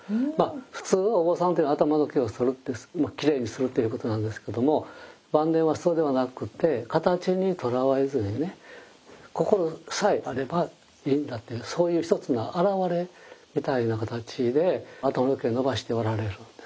普通はお坊さんっていうのは頭の毛を剃るってきれいにするということなんですけども晩年はそうではなくて形にとらわれずにね心さえあればいいんだってそういう一つの表れみたいな形で頭の毛伸ばしておられるんです。